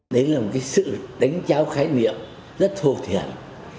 đấy là một cái sự đánh trao khái niệm rất thô thiện